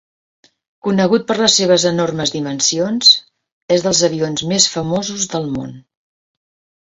Conegut per les seves enormes dimensions, és dels avions més famosos del món.